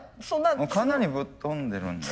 かなりぶっ飛んでるんだ。